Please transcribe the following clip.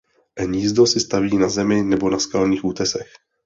Hnízdo si staví na zemi nebo na skalních útesech.